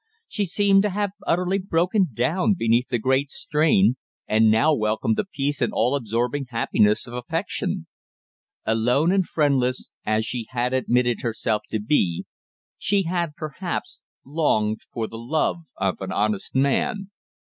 She seemed to have utterly broken down beneath the great strain, and now welcomed the peace and all absorbing happiness of affection. Alone and friendless, as she had admitted herself to be, she had, perhaps, longed for the love of an honest man.